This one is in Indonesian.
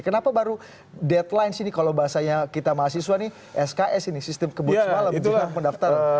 kenapa baru deadline sini kalau bahasanya kita mahasiswa nih sks ini sistem kebut semalam jumlah pendaftaran